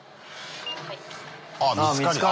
あっ見つかり？